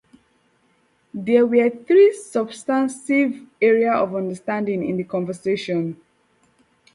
There were three substantive areas of understanding in the conversation.